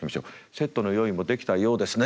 セットの用意もできたようですね」